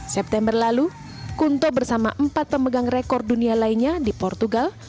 september lalu kunto bersama empat pemegang rekor dunia lainnya di portugal